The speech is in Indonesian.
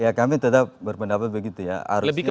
ya kami tetap berpendapat begitu ya